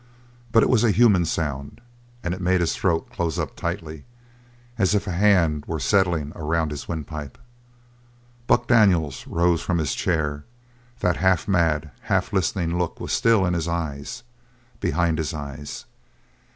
But it was a human sound and it made his throat close up tightly, as if a hand were settling around his wind pipe. Buck Daniels rose from his chair; that half mad, half listening look was still in his eyes behind his eyes.